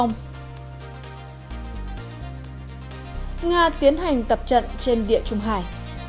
nga tiến hành tập trận trên địa trung hải